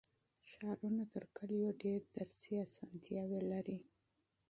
ښارونه تر کلیو ډېر تعلیمي اسانتیاوې لري.